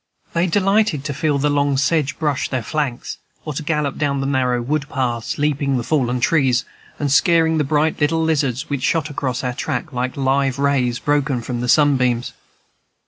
They delighted to feel the long sedge brush their flanks, or to gallop down the narrow wood paths, leaping the fallen trees, and scaring the bright little lizards which shot across our track like live rays broken from the sunbeams.